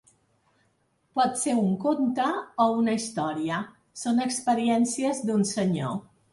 Pot ser un conte o una història, són experiències d'un senyor.